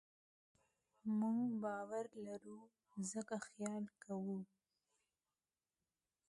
موږ باور لرو؛ ځکه خیال کوو.